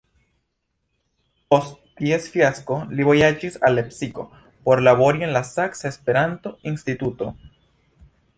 Post ties fiasko li vojaĝis al Lepsiko por labori en la Saksa Esperanto-Instituto.